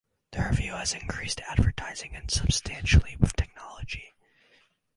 The review has increased advertising, and substantially with technology.